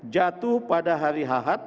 jatuh pada hari ahad